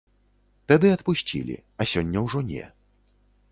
Тады адпусцілі, а сёння ўжо не.